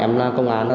em là công an